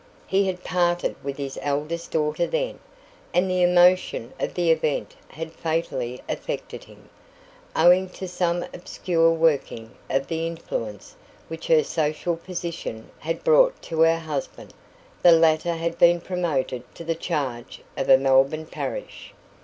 He had parted with his eldest daughter then, and the emotion of the event had fatally affected him. Owing to some obscure working of the "influence" which her social position had brought to her husband, the latter had been promoted to the charge of a Melbourne parish.